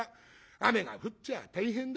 雨が降っちゃあ大変だ。